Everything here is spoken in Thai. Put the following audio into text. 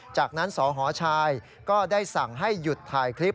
จากนั้นสหชายก็ได้สั่งให้หยุดถ่ายคลิป